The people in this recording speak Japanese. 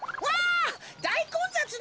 だいこんざつなのだ。